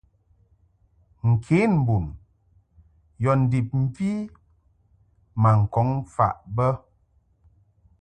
Nkenbun yɔ ndib mvi ma ŋkɔŋ faʼ bə.